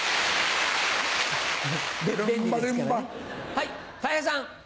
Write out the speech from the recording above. はいたい平さん。